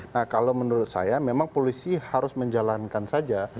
nah kalau menurut saya memang polisi harus menjalankan saja